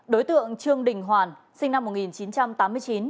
đối tượng trương đình hoàn sinh năm một nghìn chín trăm linh